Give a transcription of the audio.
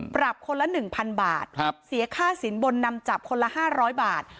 ปรับคนละ๑๐๐๐บาทเสียค่าสินบนนำจับคนละ๕๐๐บาท